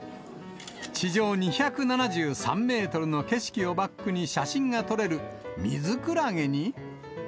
地上２７３メートルの景色をバックに写真が撮れるミズクラゲに。